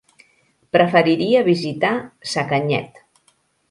Preferiria visitar Sacanyet.